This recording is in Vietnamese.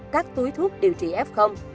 các túi thuốc điều trị f